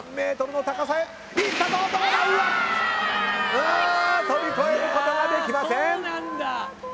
うん跳び越えることができません。